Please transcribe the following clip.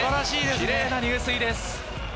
きれいな入水です。